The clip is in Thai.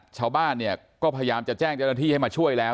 ชาวบ้านเนี่ยก็พยายามจะแจ้งเจ้าหน้าที่ให้มาช่วยแล้ว